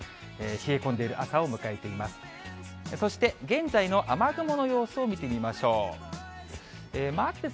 冷え込んでいる朝を迎えています。